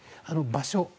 場所。